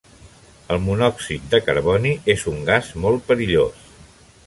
El monòxid de carboni és un gas molt perillós.